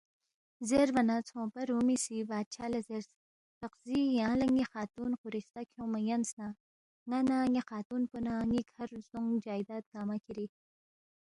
زیربا نہ ژھونگپا رُومی سی بادشاہ لہ زیرس، پقزی یانگ لہ ن٘ی خاتون خورِستہ کھیونگما یَنس نہ ن٘ا نہ ن٘ی خاتون پو نہ ن٘ی کَھر زدونگ جائداد گنگمہ کِھری